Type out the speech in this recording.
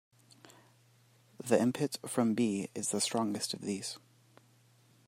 The input from B is the strongest of these.